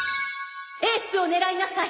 エースを狙いなさい！